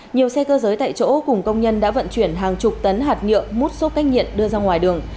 nhiều xe cơ giới tại chỗ cùng công nhân đã vận chuyển hàng chục tấn hạt nhựa mút xốp cách nhiệt đưa ra ngoài đường